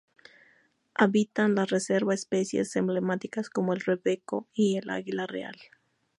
Habitan la reserva especies emblemáticas como el rebeco y el águila real.